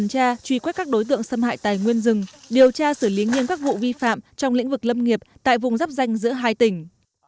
các đối tượng xâm hại tài nguyên rừng điều tra xử lý nghiên các vụ vi phạm trong lĩnh vực lâm nghiệp tại vùng rắp danh giữa hai tỉnh